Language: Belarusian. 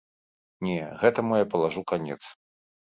Не, гэтаму я палажу канец.